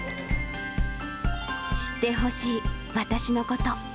知ってほしい、私のこと。